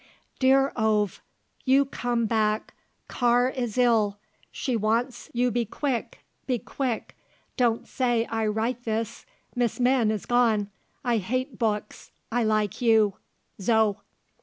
_"dear ov you come back car is ill she wants you be quick be quick don't say I writ this miss min is gone I hate books I like you zo."